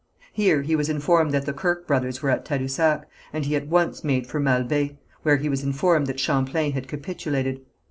Here he was informed that the Kirke brothers were at Tadousac, and he at once made for Mal Bay, where he was informed that Champlain had capitulated.